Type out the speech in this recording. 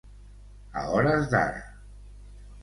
A hores d'ara.